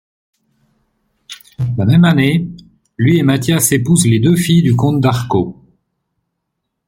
La même année, lui et Matthias épousent les deux filles du comte d’Arco.